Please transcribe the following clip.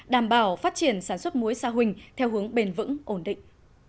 đảm bảo phát triển sản xuất mối sa huỳnh theo hướng bền vững ổn định